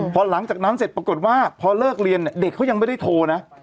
พอหลังจากนั้นเสร็จปรากฏว่าพอเลิกเรียนเนี่ยเด็กเขายังไม่ได้โทรนะ